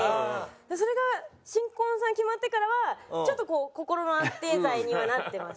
それが『新婚さん』決まってからはちょっとこう心の安定剤にはなってます